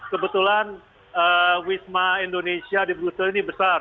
kebetulan wisma indonesia di brutal ini besar